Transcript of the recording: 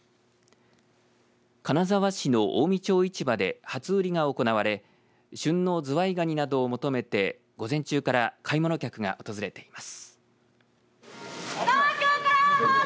金沢市の近江町市場で初売りが行われ旬のズワイガニなどを求めて午前中から買い物客が訪れています。